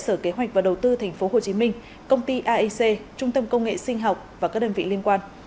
sở kế hoạch và đầu tư tp hcm công ty aic trung tâm công nghệ sinh học và các đơn vị liên quan